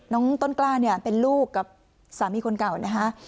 ต้นกล้าเนี่ยเป็นลูกกับสามีคนเก่านะคะ